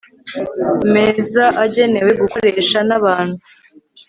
meza agenewe gukoreshwa n abantu